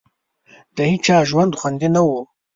د هېچا ژوند خوندي نه وو.